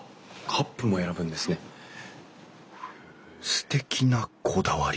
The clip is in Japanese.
すてきなこだわり。